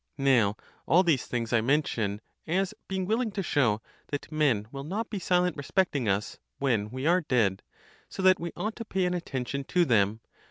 Now all these things I mention, as being willing to show that men will not be silent respecting us, when we are dead; so that we ought to pay an attention tothem.